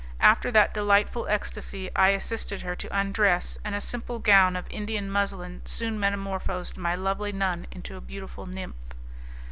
After that delightful ecstacy I assisted her to undress, and a simple gown of Indian muslin soon metamorphosed my lovely nun into a beautiful nymph.